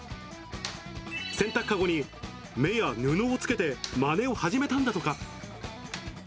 洗濯籠に目や布をつけてまねを始めたんだとか。